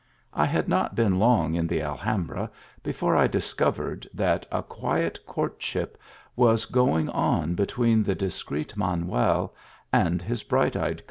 I had not been long in the Alhambra before I discovered that a quiet courtship was going on between the discreet Manuel and his bright eyed THE HOUSEHOLD.